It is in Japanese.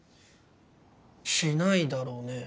しないだろうね。